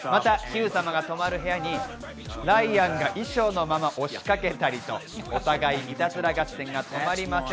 またヒュー様が泊まる部屋にライアンが衣装のまま押しかけたりと、お互い、いたずら合戦が止まりません。